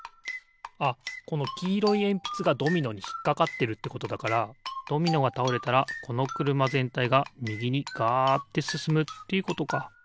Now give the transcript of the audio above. あっこのきいろいえんぴつがドミノにひっかかってるってことだからドミノがたおれたらこのくるまぜんたいがみぎにガッてすすむということか。